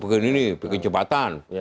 bikin ini nih bikin cepatan